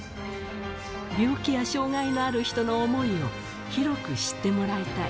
病気や障がいのある人の思いを広く知ってもらいたい。